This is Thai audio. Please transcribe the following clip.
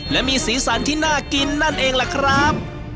และมีสีสันที่น่ากินนั่นเองล่ะครับ